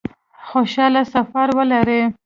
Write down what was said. خوشحاله سفر ولري